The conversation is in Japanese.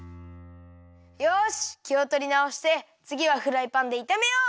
よしきをとりなおしてつぎはフライパンでいためよう！